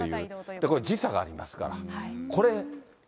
で、これ時差がありますから。